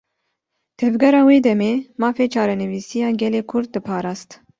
Tevgera wê demê, mafê çarenivîsiya gelê Kurd diparast